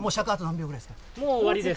もう終わりです。